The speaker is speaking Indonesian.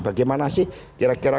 bagaimana sih kira kira